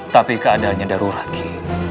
tapi keadaannya darurat ki